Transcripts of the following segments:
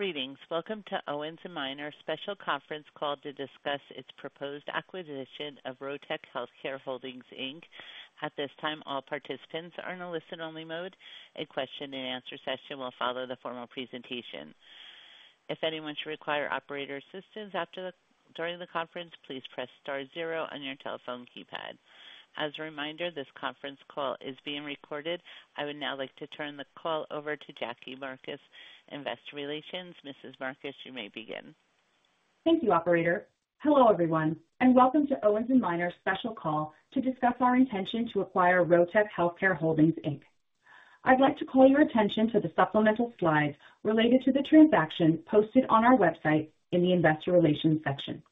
...Greetings. Welcome to Owens & Minor Special Conference Call to discuss its proposed acquisition of Rotech Healthcare Holdings, Inc. At this time, all participants are in a listen-only mode. A question-and-answer session will follow the formal presentation. If anyone should require operator assistance during the conference, please press star zero on your telephone keypad. As a reminder, this conference call is being recorded. I would now like to turn the call over to Jackie Marcus, Investor Relations. Mrs. Marcus, you may begin. Thank you, operator. Hello, everyone, and welcome to Owens & Minor Special Call to discuss our intention to acquire Rotech Healthcare Holdings, Inc. I'd like to call your attention to the supplemental slides related to the transaction posted on our website in the Investor Relations section.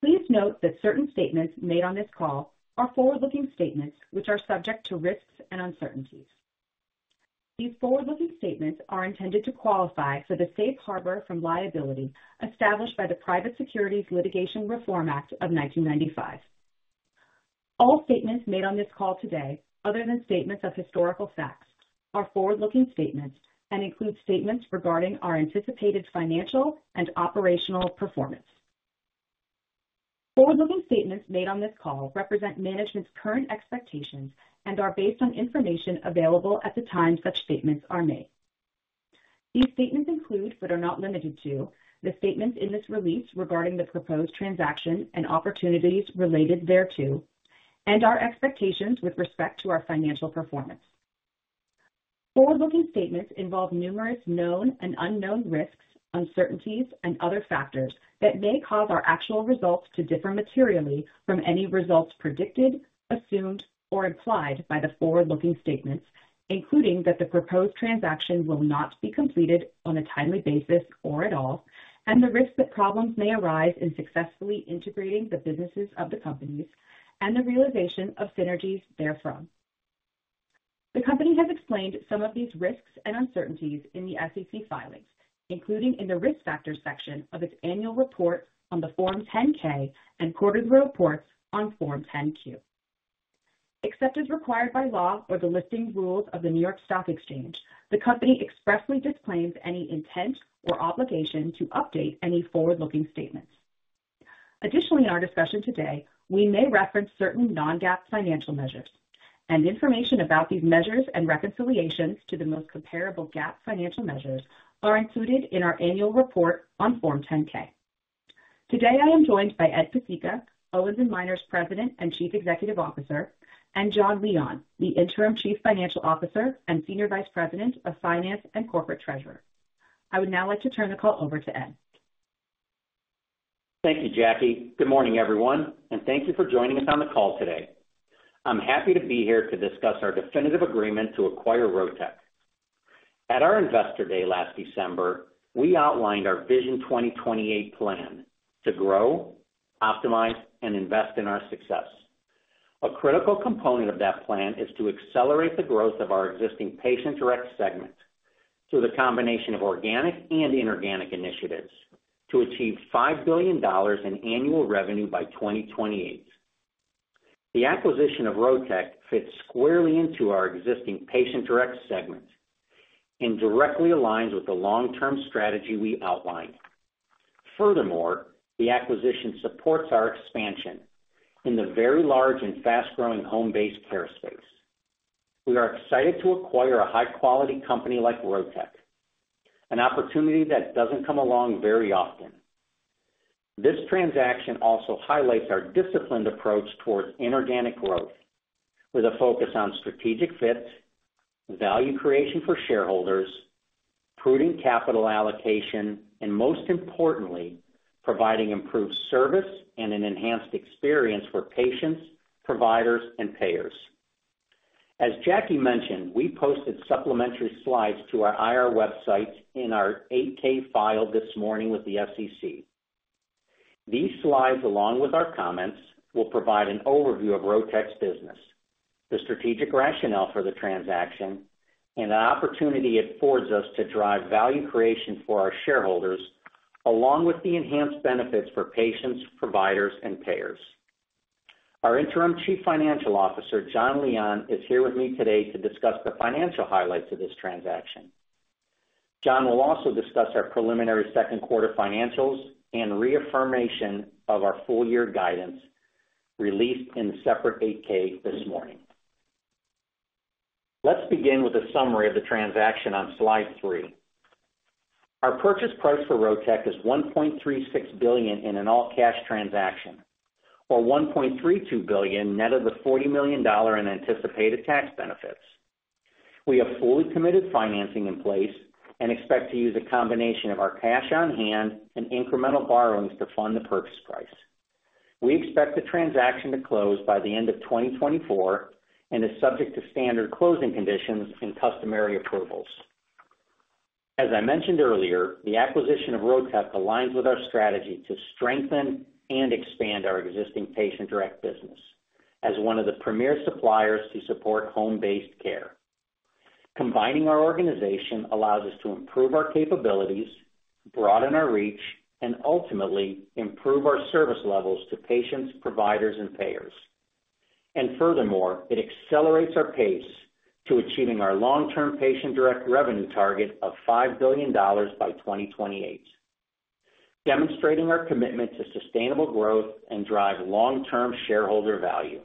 Please note that certain statements made on this call are forward-looking statements which are subject to risks and uncertainties. These forward-looking statements are intended to qualify for the safe harbor from liability established by the Private Securities Litigation Reform Act of 1995. All statements made on this call today, other than statements of historical facts, are forward-looking statements and include statements regarding our anticipated financial and operational performance. Forward-looking statements made on this call represent management's current expectations and are based on information available at the time such statements are made. These statements include, but are not limited to, the statements in this release regarding the proposed transaction and opportunities related thereto, and our expectations with respect to our financial performance. Forward-looking statements involve numerous known and unknown risks, uncertainties, and other factors that may cause our actual results to differ materially from any results predicted, assumed, or implied by the forward-looking statements, including that the proposed transaction will not be completed on a timely basis or at all, and the risk that problems may arise in successfully integrating the businesses of the companies and the realization of synergies therefrom. The company has explained some of these risks and uncertainties in the SEC filings, including in the Risk Factors section of its annual report on the Form 10-K and quarterly reports on Form 10-Q. Except as required by law or the listing rules of the New York Stock Exchange, the company expressly disclaims any intent or obligation to update any forward-looking statements. Additionally, in our discussion today, we may reference certain non-GAAP financial measures, and information about these measures and reconciliations to the most comparable GAAP financial measures are included in our annual report on Form 10-K. Today, I am joined by Ed Pesicka, Owens & Minor's President and Chief Executive Officer, and Jon Leon, the Interim Chief Financial Officer and Senior Vice President of Finance and Corporate Treasurer. I would now like to turn the call over to Ed. Thank you, Jackie. Good morning, everyone, and thank you for joining us on the call today. I'm happy to be here to discuss our definitive agreement to acquire Rotech. At our Investor Day last December, we outlined our Vision 2028 plan to grow, optimize, and invest in our success. A critical component of that plan is to accelerate the growth of our existing Patient Direct segment through the combination of organic and inorganic initiatives, to achieve $5 billion in annual revenue by 2028. The acquisition of Rotech fits squarely into our existing Patient Direct segment and directly aligns with the long-term strategy we outlined. Furthermore, the acquisition supports our expansion in the very large and fast-growing home-based care space. We are excited to acquire a high-quality company like Rotech, an opportunity that doesn't come along very often. This transaction also highlights our disciplined approach towards inorganic growth, with a focus on strategic fit, value creation for shareholders, prudent capital allocation, and, most importantly, providing improved service and an enhanced experience for patients, providers, and payers. As Jackie mentioned, we posted supplementary slides to our IR website in our 8-K filed this morning with the SEC. These slides, along with our comments, will provide an overview of Rotech's business, the strategic rationale for the transaction, and the opportunity it affords us to drive value creation for our shareholders, along with the enhanced benefits for patients, providers, and payers. Our interim Chief Financial Officer, Jon Leon, is here with me today to discuss the financial highlights of this transaction. Jon will also discuss our preliminary second quarter financials and reaffirmation of our full year guidance released in a separate 8-K this morning. Let's begin with a summary of the transaction on slide three. Our purchase price for Rotech is $1.36 billion in an all-cash transaction, or $1.32 billion net of the $40 million in anticipated tax benefits. We have fully committed financing in place and expect to use a combination of our cash on hand and incremental borrowings to fund the purchase price. We expect the transaction to close by the end of 2024 and is subject to standard closing conditions and customary approvals. As I mentioned earlier, the acquisition of Rotech aligns with our strategy to strengthen and expand our existing Patient Direct business as one of the premier suppliers to support home-based care. Combining our organization allows us to improve our capabilities, broaden our reach, and ultimately improve our service levels to patients, providers, and payers.... Furthermore, it accelerates our pace to achieving our long-term Patient Direct revenue target of $5 billion by 2028, demonstrating our commitment to sustainable growth and drive long-term shareholder value.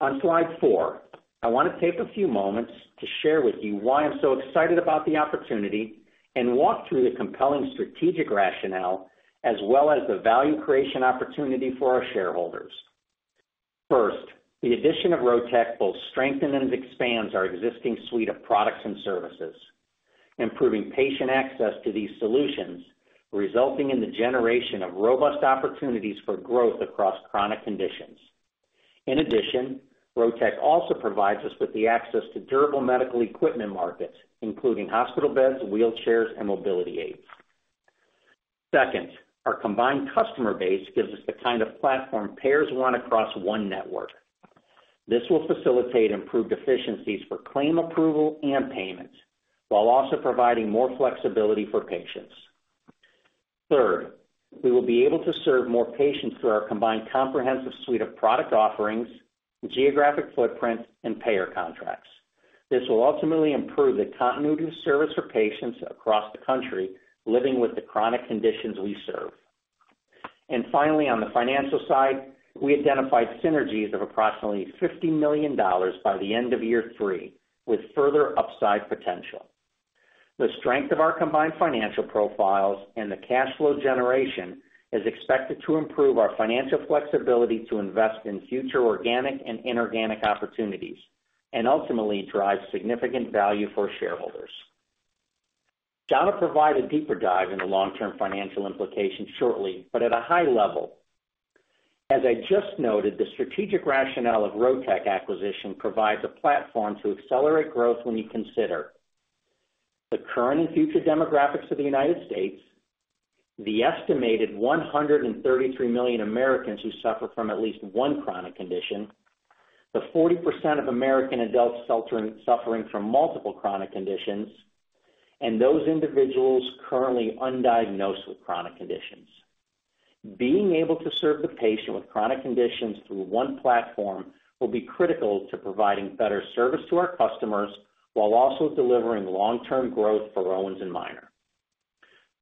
On slide four, I wanna take a few moments to share with you why I'm so excited about the opportunity, and walk through the compelling strategic rationale, as well as the value creation opportunity for our shareholders. First, the addition of Rotech both strengthen and expands our existing suite of products and services, improving patient access to these solutions, resulting in the generation of robust opportunities for growth across chronic conditions. In addition, Rotech also provides us with the access to durable medical equipment markets, including hospital beds, wheelchairs, and mobility aids. Second, our combined customer base gives us the kind of platform payers want across one network. This will facilitate improved efficiencies for claim approval and payment, while also providing more flexibility for patients. Third, we will be able to serve more patients through our combined comprehensive suite of product offerings, geographic footprint, and payer contracts. This will ultimately improve the continuity of service for patients across the country living with the chronic conditions we serve. And finally, on the financial side, we identified synergies of approximately $50 million by the end of year three, with further upside potential. The strength of our combined financial profiles and the cash flow generation is expected to improve our financial flexibility to invest in future organic and inorganic opportunities, and ultimately drive significant value for our shareholders. Jon will provide a deeper dive in the long-term financial implications shortly, but at a high level, as I just noted, the strategic rationale of Rotech acquisition provides a platform to accelerate growth when you consider: the current and future demographics of the United States, the estimated 133 million Americans who suffer from at least one chronic condition, the 40% of American adults suffering from multiple chronic conditions, and those individuals currently undiagnosed with chronic conditions. Being able to serve the patient with chronic conditions through one platform will be critical to providing better service to our customers, while also delivering long-term growth for Owens & Minor.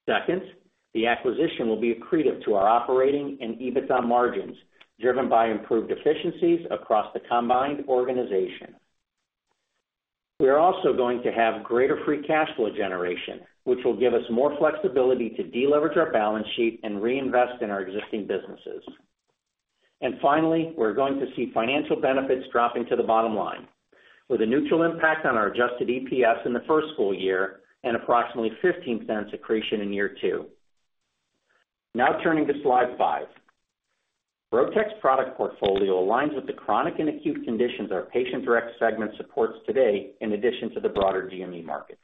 Second, the acquisition will be accretive to our operating and EBITDA margins, driven by improved efficiencies across the combined organization. We are also going to have greater free cash flow generation, which will give us more flexibility to deleverage our balance sheet and reinvest in our existing businesses. And finally, we're going to see financial benefits dropping to the bottom line, with a neutral impact on our adjusted EPS in the first full year and approximately $0.15 accretion in year two. Now turning to slide five. Rotech's product portfolio aligns with the chronic and acute conditions our Patient Direct segment supports today, in addition to the broader DME market.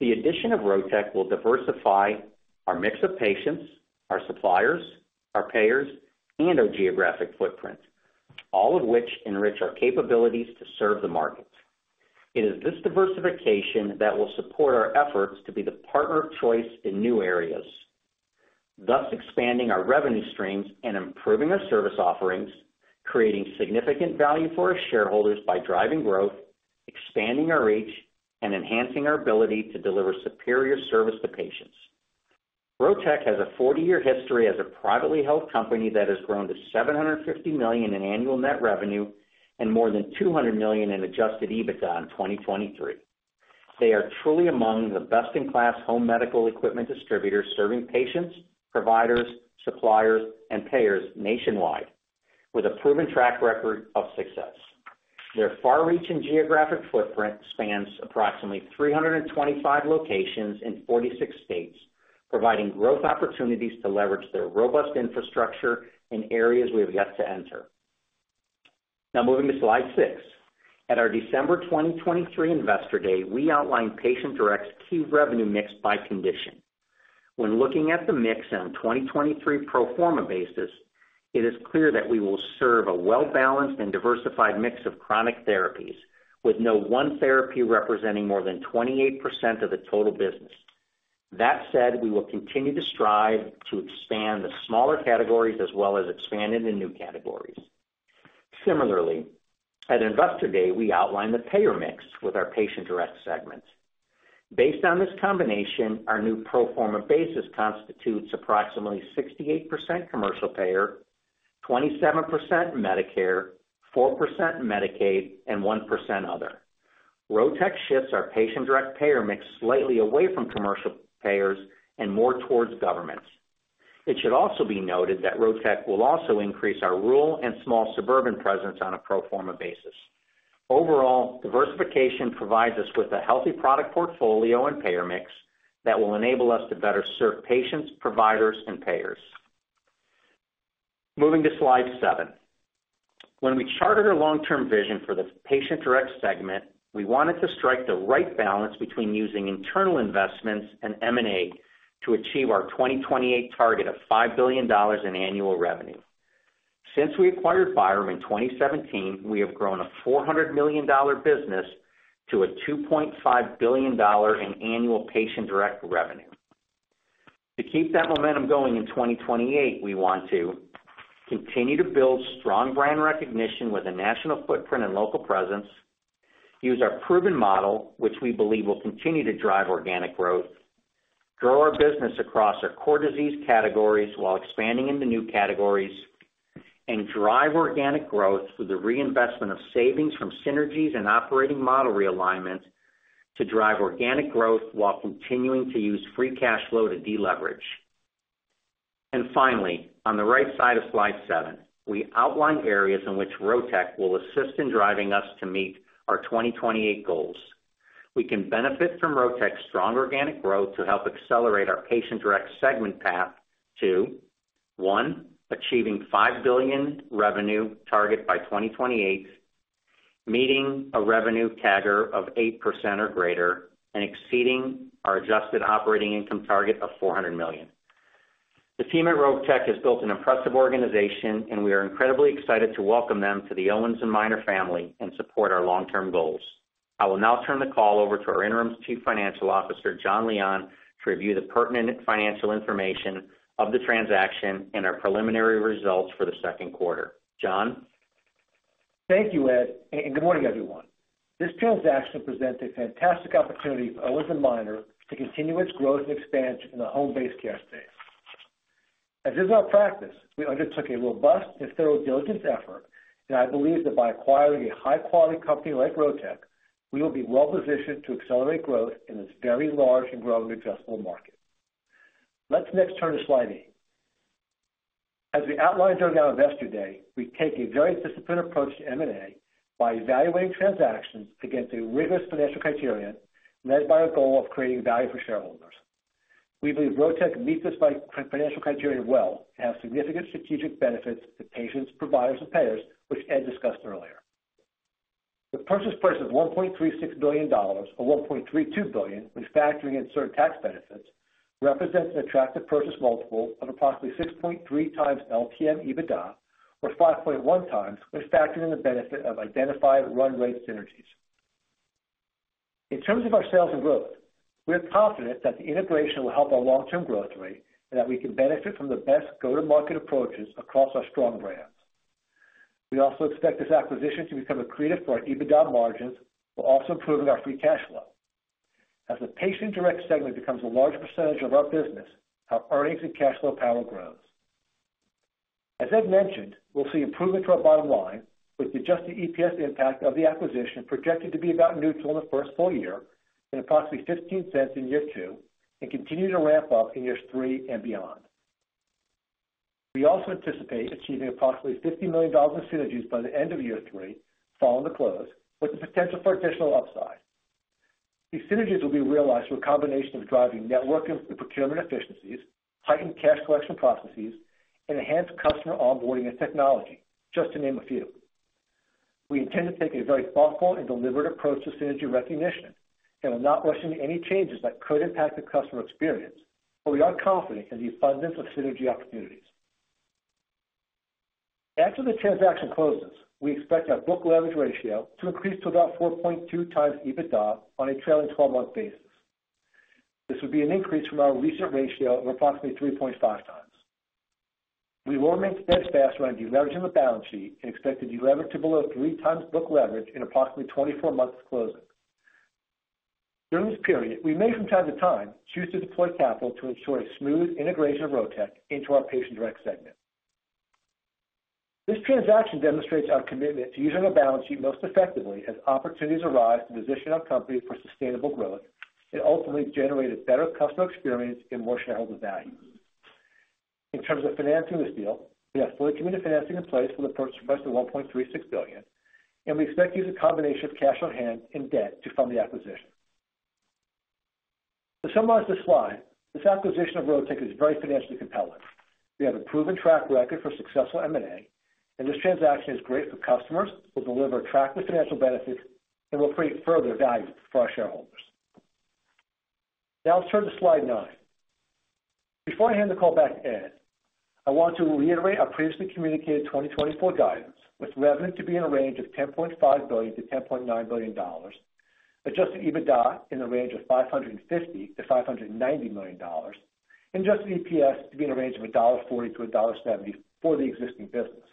The addition of Rotech will diversify our mix of patients, our suppliers, our payers, and our geographic footprint, all of which enrich our capabilities to serve the market. It is this diversification that will support our efforts to be the partner of choice in new areas, thus expanding our revenue streams and improving our service offerings, creating significant value for our shareholders by driving growth, expanding our reach, and enhancing our ability to deliver superior service to patients. Rotech has a 40-year history as a privately held company that has grown to $750 million in annual net revenue and more than $200 million in adjusted EBITDA in 2023. They are truly among the best-in-class home medical equipment distributors, serving patients, providers, suppliers, and payers nationwide, with a proven track record of success. Their far-reaching geographic footprint spans approximately 325 locations in 46 states, providing growth opportunities to leverage their robust infrastructure in areas we have yet to enter. Now, moving to slide six. At our December 2023 Investor Day, we outlined Patient Direct's key revenue mix by condition. When looking at the mix on 2023 pro forma basis, it is clear that we will serve a well-balanced and diversified mix of chronic therapies, with no one therapy representing more than 28% of the total business. That said, we will continue to strive to expand the smaller categories as well as expand into new categories. Similarly, at Investor Day, we outlined the payer mix with our Patient Direct segment. Based on this combination, our new pro forma basis constitutes approximately 68% commercial payer, 27% Medicare, 4% Medicaid, and 1% other. Rotech shifts our Patient Direct payer mix slightly away from commercial payers and more towards governments. It should also be noted that Rotech will also increase our rural and small suburban presence on a pro forma basis. Overall, diversification provides us with a healthy product portfolio and payer mix that will enable us to better serve patients, providers, and payers. Moving to slide seven. When we charted our long-term vision for the Patient Direct segment, we wanted to strike the right balance between using internal investments and M&A to achieve our 2028 target of $5 billion in annual revenue. Since we acquired Byram in 2017, we have grown a $400 million business to a $2.5 billion dollar in annual Patient Direct revenue.... To keep that momentum going in 2028, we want to continue to build strong brand recognition with a national footprint and local presence, use our proven model, which we believe will continue to drive organic growth, grow our business across our core disease categories while expanding into new categories, and drive organic growth through the reinvestment of savings from synergies and operating model realignment to drive organic growth while continuing to use free cash flow to deleverage. And finally, on the right side of slide seven, we outline areas in which Rotech will assist in driving us to meet our 2028 goals. We can benefit from Rotech's strong organic growth to help accelerate our Patient Direct segment path to, one, achieving $5 billion revenue target by 2028, meeting a revenue CAGR of 8% or greater, and exceeding our adjusted operating income target of $400 million. The team at Rotech has built an impressive organization, and we are incredibly excited to welcome them to the Owens & Minor family and support our long-term goals. I will now turn the call over to our Interim Chief Financial Officer, Jon Leon, to review the pertinent financial information of the transaction and our preliminary results for the second quarter. Jon? Thank you, Ed, and good morning, everyone. This transaction presents a fantastic opportunity for Owens & Minor to continue its growth and expansion in the home-based care space. As is our practice, we undertook a robust and thorough diligence effort, and I believe that by acquiring a high-quality company like Rotech, we will be well positioned to accelerate growth in this very large and growing addressable market. Let's next turn to slide eight. As we outlined during our Investor Day, we take a very disciplined approach to M&A by evaluating transactions against a rigorous financial criterion, led by our goal of creating value for shareholders. We believe Rotech meets this financial criterion well and has significant strategic benefits to patients, providers, and payers, which Ed discussed earlier. The purchase price of $1.36 billion, or $1.32 billion, when factoring in certain tax benefits, represents an attractive purchase multiple of approximately 6.3x LTM EBITDA, or 5.1x when factoring in the benefit of identified run rate synergies. In terms of our sales and growth, we are confident that the integration will help our long-term growth rate and that we can benefit from the best go-to-market approaches across our strong brands. We also expect this acquisition to become accretive for our EBITDA margins, while also improving our free cash flow. As the Patient Direct segment becomes a larger percentage of our business, our earnings and cash flow power grows. As Ed mentioned, we'll see improvement to our bottom line, with the adjusted EPS impact of the acquisition projected to be about neutral in the first full year and approximately $0.15 in year two, and continue to ramp up in years three and beyond. We also anticipate achieving approximately $50 million in synergies by the end of year three, following the close, with the potential for additional upside. These synergies will be realized through a combination of driving network and procurement efficiencies, heightened cash collection processes, and enhanced customer onboarding and technology, just to name a few. We intend to take a very thoughtful and deliberate approach to synergy recognition, and will not rush into any changes that could impact the customer experience, but we are confident in the abundance of synergy opportunities. After the transaction closes, we expect our book leverage ratio to increase to about 4.2x EBITDA on a trailing 12-month basis. This would be an increase from our recent ratio of approximately 3.5x. We will remain steadfast around deleveraging the balance sheet and expect to deleverage to below 3x book leverage in approximately 24 months closing. During this period, we may, from time to time, choose to deploy capital to ensure a smooth integration of Rotech into our Patient Direct segment. This transaction demonstrates our commitment to using our balance sheet most effectively as opportunities arise to position our company for sustainable growth and ultimately generate a better customer experience and more shareholder value. In terms of financing this deal, we have fully committed financing in place for the purchase price of $1.36 billion, and we expect to use a combination of cash on hand and debt to fund the acquisition. To summarize this slide, this acquisition of Rotech is very financially compelling. We have a proven track record for successful M&A, and this transaction is great for customers, will deliver attractive financial benefits, and will create further value for our shareholders. Now let's turn to slide nine. Before I hand the call back to Ed, I want to reiterate our previously communicated 2024 guidance, with revenue to be in a range of $10.5 to $10.9 billion, adjusted EBITDA in the range of $550 to $590 million, and adjusted EPS to be in a range of $1.40 to $1.70 for the existing business.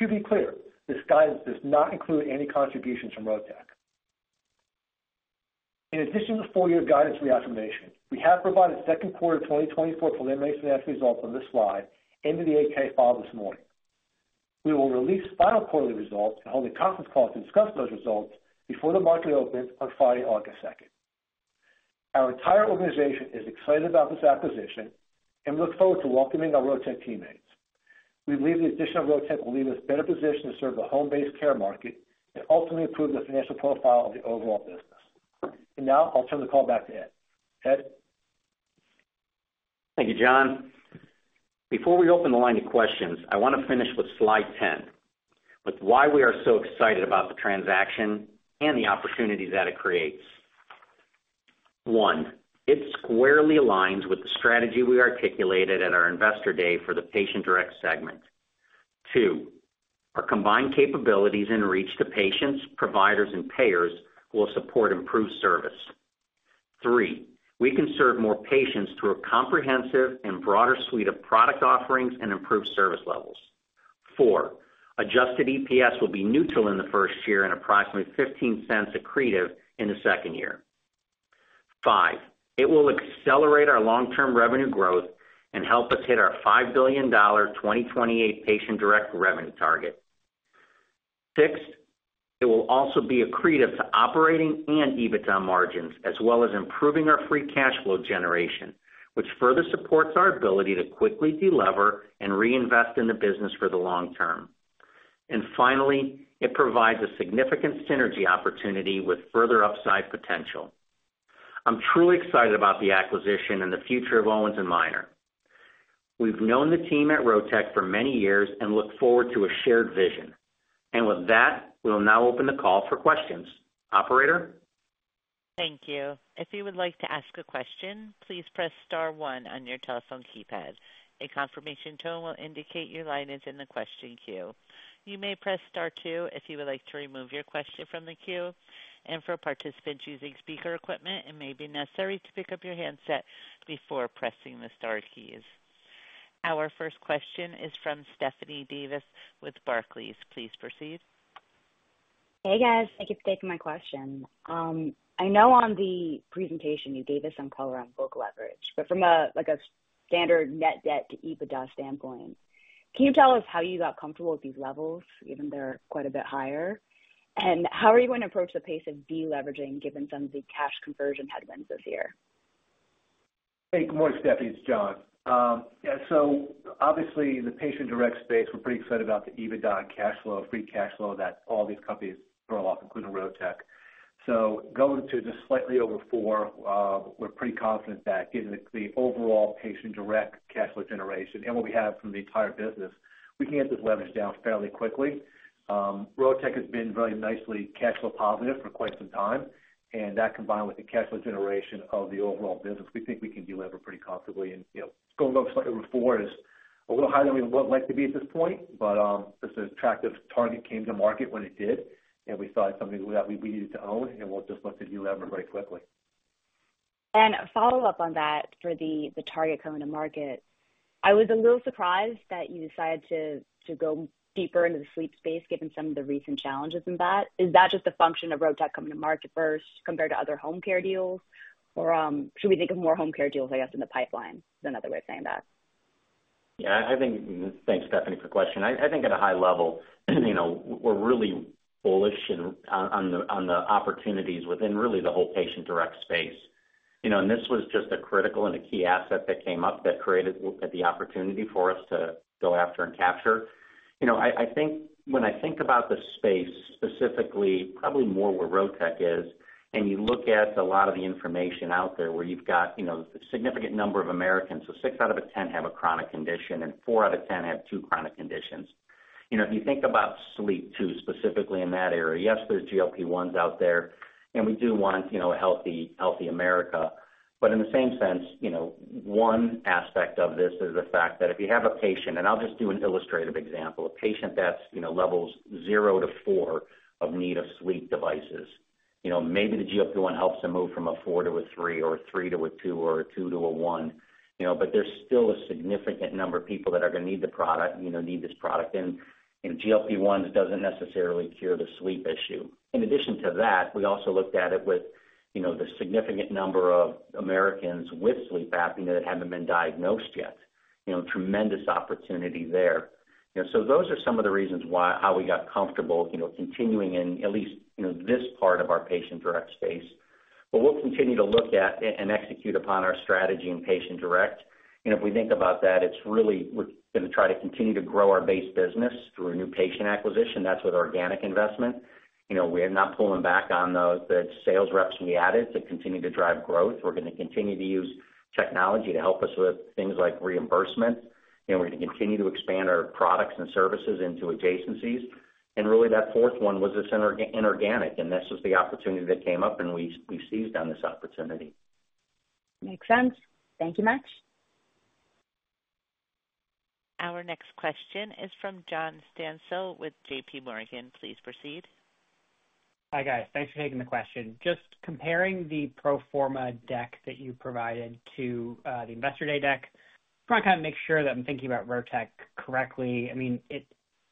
To be clear, this guidance does not include any contributions from Rotech. In addition to the full-year guidance reaffirmation, we have provided second quarter 2024 preliminary financial results on this slide into the 8-K file this morning. We will release final quarterly results and hold a conference call to discuss those results before the market opens on Friday, August 2nd. Our entire organization is excited about this acquisition and looks forward to welcoming our Rotech teammates. We believe the addition of Rotech will leave us better positioned to serve the home-based care market and ultimately improve the financial profile of the overall business. Now I'll turn the call back to Ed. Ed? Thank you, Jon. Before we open the line of questions, I want to finish with slide 10, with why we are so excited about the transaction and the opportunities that it creates. One, it squarely aligns with the strategy we articulated at our Investor Day for the Patient Direct segment... Two, our combined capabilities and reach to patients, providers, and payers will support improved service. Three, we can serve more patients through a comprehensive and broader suite of product offerings and improved service levels. Four, adjusted EPS will be neutral in the first year and approximately $0.15 accretive in the second year. Five, it will accelerate our long-term revenue growth and help us hit our $5 billion 2028 Patient Direct revenue target. Six, it will also be accretive to operating and EBITDA margins, as well as improving our free cash flow generation, which further supports our ability to quickly delever and reinvest in the business for the long term. And finally, it provides a significant synergy opportunity with further upside potential. I'm truly excited about the acquisition and the future of Owens & Minor. We've known the team at Rotech for many years and look forward to a shared vision. And with that, we'll now open the call for questions. Operator? Thank you. If you would like to ask a question, please press star one on your telephone keypad. A confirmation tone will indicate your line is in the question queue. You may press star two if you would like to remove your question from the queue, and for participants using speaker equipment, it may be necessary to pick up your handset before pressing the star keys. Our first question is from Stephanie Davis with Barclays. Please proceed. Hey, guys. Thank you for taking my question. I know on the presentation you gave us some color on book leverage, but from a, like, a standard net debt to EBITDA standpoint, can you tell us how you got comfortable with these levels, given they're quite a bit higher? And how are you going to approach the pace of deleveraging, given some of the cash conversion headwinds this year? Hey, good morning, Stephanie. It's Jon. Yeah, so obviously, the patient direct space, we're pretty excited about the EBITDA cash flow, free cash flow that all these companies throw off, including Rotech. So going to just slightly over four, we're pretty confident that given the, the overall patient direct cash flow generation and what we have from the entire business, we can get this leverage down fairly quickly. Rotech has been very nicely cash flow positive for quite some time, and that combined with the cash flow generation of the overall business, we think we can delever pretty comfortably. You know, going up slightly to four is a little higher than we would like to be at this point, but this attractive target came to market when it did, and we thought it was something that we needed to own, and we'll just look to delever very quickly. A follow-up on that for the target coming to market. I was a little surprised that you decided to go deeper into the sleep space, given some of the recent challenges in that. Is that just a function of Rotech coming to market first compared to other home care deals? Or should we think of more home care deals, I guess, in the pipeline, is another way of saying that? Yeah, I think... Thanks, Stephanie, for the question. I, I think at a high level, you know, we're really bullish in, on, on the, on the opportunities within really the whole Patient Direct space. You know, and this was just a critical and a key asset that came up that created the, the opportunity for us to go after and capture. You know, I, I think when I think about the space, specifically, probably more where Rotech is, and you look at a lot of the information out there, where you've got, you know, a significant number of Americans, so six out of ten have a chronic condition and four out of ten have two chronic conditions. You know, if you think about sleep, too, specifically in that area, yes, there's GLP-1s out there, and we do want, you know, a healthy, healthy America. But in the same sense, you know, one aspect of this is the fact that if you have a patient, and I'll just do an illustrative example, a patient that's, you know, levels 0 to 4 of need of sleep devices, you know, maybe the GLP-1 helps them move from a four to a three, or a three to a two, or a two to a one, you know, but there's still a significant number of people that are going to need the product, you know, need this product. And GLP-1 doesn't necessarily cure the sleep issue. In addition to that, we also looked at it with, you know, the significant number of Americans with sleep apnea that haven't been diagnosed yet. You know, tremendous opportunity there. You know, so those are some of the reasons why, how we got comfortable, you know, continuing in at least, you know, this part of our Patient Direct space. But we'll continue to look at and execute upon our strategy in Patient Direct. And if we think about that, it's really, we're going to try to continue to grow our base business through a new patient acquisition. That's with organic investment. You know, we're not pulling back on the sales reps we added to continue to drive growth. We're going to continue to use technology to help us with things like reimbursement, and we're going to continue to expand our products and services into adjacencies. And really, that fourth one was this inorganic, and this was the opportunity that came up, and we seized on this opportunity. Makes sense. Thank you much. Our next question is from John Stansel with JPMorgan. Please proceed. Hi, guys. Thanks for taking the question. Just comparing the pro forma deck that you provided to the Investor Day deck. Just want to kind of make sure that I'm thinking about Rotech correctly. I mean, it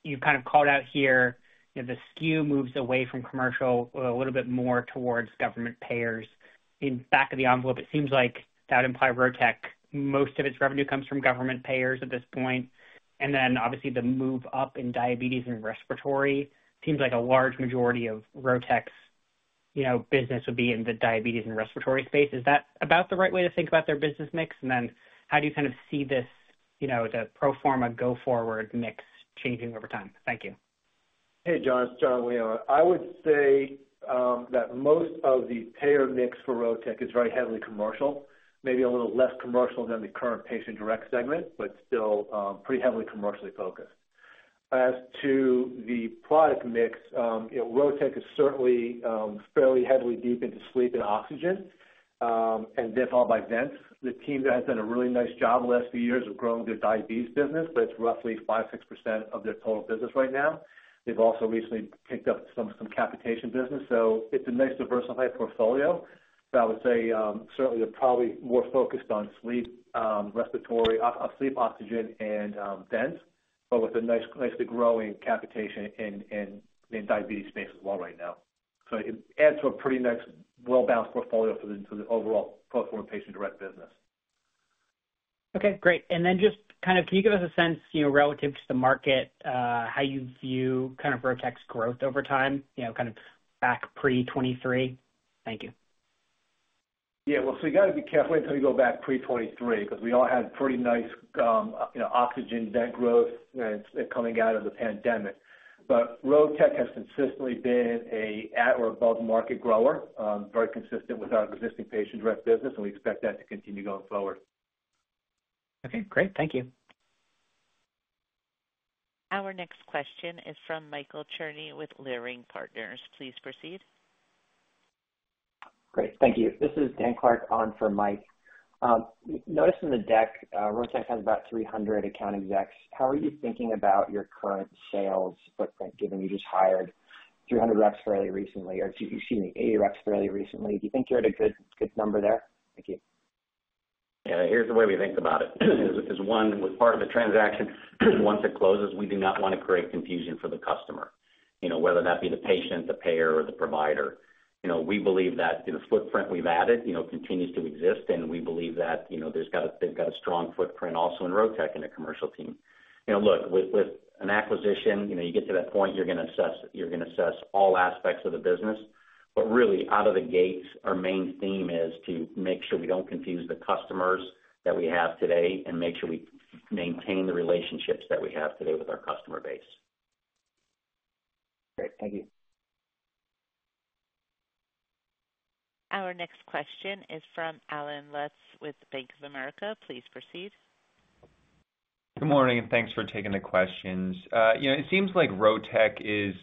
you kind of called out here, you know, the skew moves away from commercial, a little bit more towards government payers. In back of the envelope, it seems like that imply Rotech, most of its revenue comes from government payers at this point, and then obviously the move up in diabetes and respiratory seems like a large majority of Rotech's, you know, business would be in the diabetes and respiratory space. Is that about the right way to think about their business mix? And then how do you kind of see this, you know, the pro forma go-forward mix changing over time? Thank you. Hey, John, it's Jon Leon. I would say that most of the payer mix for Rotech is very heavily commercial, maybe a little less commercial than the current Patient Direct segment, but still pretty heavily commercially focused. As to the product mix, you know, Rotech is certainly fairly heavily deep into sleep and oxygen, and then followed by vents. The team there has done a really nice job in the last few years of growing their diabetes business, but it's roughly 5% to 6% of their total business right now. They've also recently picked up some capitation business, so it's a nice diversified portfolio. But I would say, certainly, they're probably more focused on sleep, respiratory, sleep oxygen and vents, but with a nice, nicely growing capitation in the diabetes space as well right now. It adds to a pretty nice well-balanced portfolio for the overall portfolio Patient Direct business. Okay, great. And then just kind of, can you give us a sense, you know, relative to the market, how you view kind of Rotech's growth over time, you know, kind of back pre-2023? Thank you. Yeah. Well, so you got to be careful until you go back pre-2023, because we all had pretty nice, you know, oxygen vent growth, coming out of the pandemic. But Rotech has consistently been a, at or above market grower, very consistent with our existing Patient Direct business, and we expect that to continue going forward. Okay, great. Thank you. Our next question is from Michael Cherny with Leerink Partners. Please proceed. Great, thank you. This is Dan Clark on for Mike. We noticed in the deck, Rotech has about 300 account execs. How are you thinking about your current sales footprint, given you just hired 300 reps fairly recently, or excuse me, 80 reps fairly recently? Do you think you're at a good, good number there? Thank you. Yeah, here's the way we think about it is one, with part of the transaction, once it closes, we do not wanna create confusion for the customer, you know, whether that be the patient, the payer or the provider. You know, we believe that the footprint we've added, you know, continues to exist, and we believe that, you know, they've got a strong footprint also in Rotech in the commercial team. You know, look, with an acquisition, you know, you get to that point, you're gonna assess all aspects of the business. But really, out of the gates, our main theme is to make sure we don't confuse the customers that we have today, and make sure we maintain the relationships that we have today with our customer base. Great, thank you. Our next question is from Allen Lutz with Bank of America. Please proceed. Good morning, and thanks for taking the questions. You know, it seems like Rotech is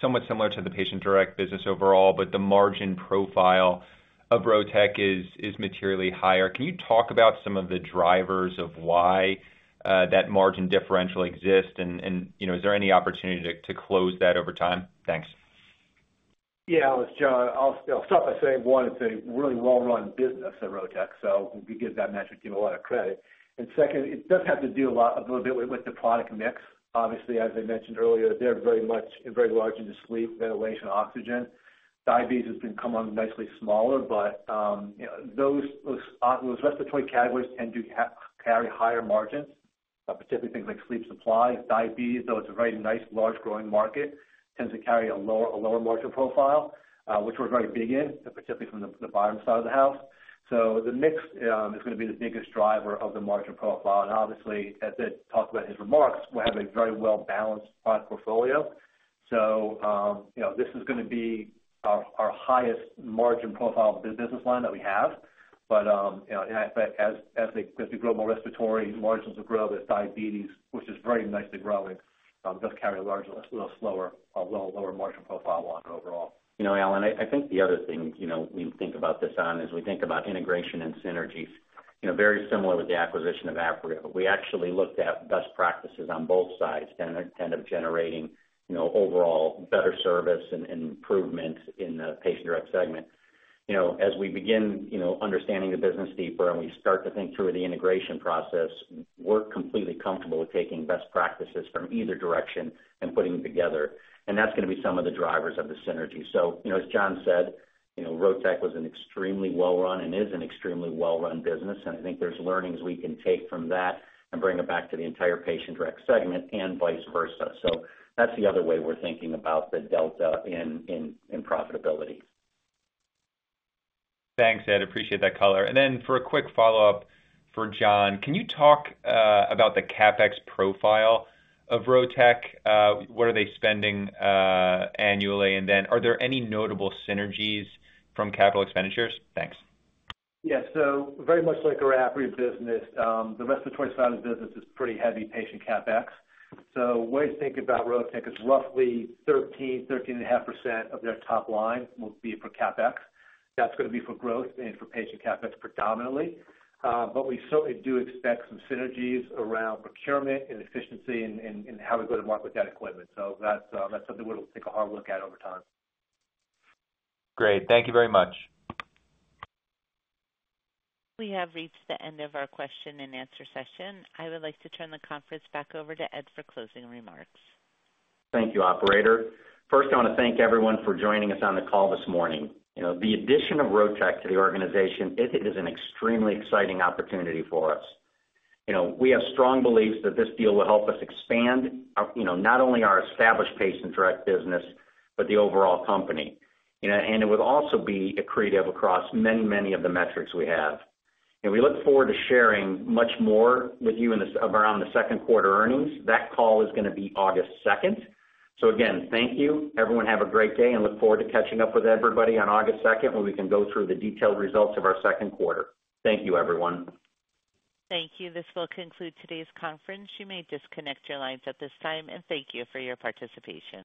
somewhat similar to the Patient Direct business overall, but the margin profile of Rotech is materially higher. Can you talk about some of the drivers of why that margin differential exists? And you know, is there any opportunity to close that over time? Thanks. Yeah, it's Jon. I'll start by saying, one, it's a really well-run business at Rotech, so we give that metric a lot of credit. And second, it does have to do a lot, a little bit with the product mix. Obviously, as I mentioned earlier, they're very much, very large into sleep, ventilation, oxygen. Diabetes has come on nicely smaller, but, you know, those respiratory categories tend to carry higher margins, specifically things like sleep supplies. Diabetes, though it's a very nice, large, growing market, tends to carry a lower, a lower margin profile, which we're very big in, particularly from the, the bottom side of the house. So the mix is gonna be the biggest driver of the margin profile. And obviously, as Ed talked about his remarks, we have a very well-balanced product portfolio. So, you know, this is gonna be our, our highest margin profile business line that we have. But, you know, and as we grow more respiratory, margins will grow. There's diabetes, which is very nicely growing, does carry a little slower, a little lower margin profile overall. You know, Alan, I think the other thing, you know, we think about this one is we think about integration and synergies. You know, very similar with the acquisition of Apria. We actually looked at best practices on both sides and end up generating, you know, overall better service and improvement in the Patient Direct segment. You know, as we begin, you know, understanding the business deeper and we start to think through the integration process, we're completely comfortable with taking best practices from either direction and putting them together, and that's gonna be some of the drivers of the synergy. So, you know, as Jon said, you know, Rotech was an extremely well-run and is an extremely well-run business, and I think there's learnings we can take from that and bring them back to the entire Patient Direct segment and vice versa. So that's the other way we're thinking about the delta in profitability. Thanks, Ed, appreciate that color. And then for a quick follow-up for Jon, can you talk about the CapEx profile of Rotech? What are they spending annually? And then are there any notable synergies from capital expenditures? Thanks. Yeah. So very much like our Apria business, the respiratory side of the business is pretty heavy patient CapEx. So way to think about Rotech is roughly 13.5% of their top line will be for CapEx. That's gonna be for growth and for patient CapEx predominantly. But we certainly do expect some synergies around procurement and efficiency and, and, and how we go to market that equipment. So that's, that's something we'll take a hard look at over time. Great. Thank you very much. We have reached the end of our question-and-answer session. I would like to turn the conference back over to Ed for closing remarks. Thank you, operator. First, I wanna thank everyone for joining us on the call this morning. You know, the addition of Rotech to the organization, it is an extremely exciting opportunity for us. You know, we have strong beliefs that this deal will help us expand our, you know, not only our established Patient Direct business, but the overall company. You know, and it will also be accretive across many, many of the metrics we have. And we look forward to sharing much more with you in this around the second quarter earnings. That call is gonna be August 2nd. So again, thank you. Everyone, have a great day, and look forward to catching up with everybody on August 2nd, where we can go through the detailed results of our second quarter. Thank you, everyone. Thank you. This will conclude today's conference. You may disconnect your lines at this time, and thank you for your participation.